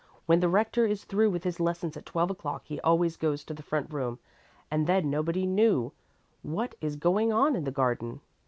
When the Rector is through with his lessons at twelve o'clock he always goes to the front room and then nobody knew what is going on in the garden.